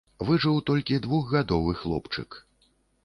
Выжыў толькі двухгадовы хлопчык.